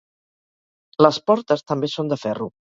Les portes també són de ferro.